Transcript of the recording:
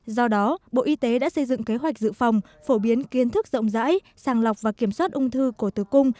do đó bộ y tế đã xây dựng kế hoạch dự phòng phổ biến kiến thức rộng rãi sàng lọc và kiểm soát ung thư cổ tử cung